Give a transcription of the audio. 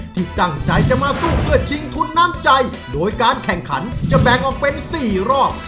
ที่ตั้งใจจะมาสู้เพื่อชิงทุนน้ำใจโดยการแข่งขันจะแบ่งออกเป็น๔รอบ